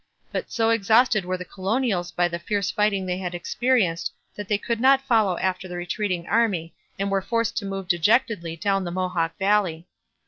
But so exhausted were the colonials by the fierce fighting they had experienced that they could not follow after the retreating army and were forced to move dejectedly down the Mohawk valley.